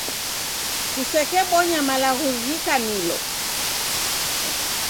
Kusekebonya malagho ghikanilo.